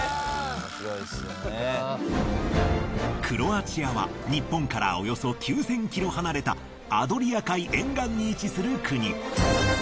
クロアチアは日本からおよそ９，０００キロ離れたアドリア海沿岸に位置する国。